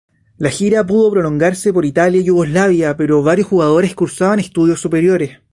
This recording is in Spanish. La gira pudo prolongarse por Italia y Yugoslavia pero varios jugadores cursaban estudios superiores.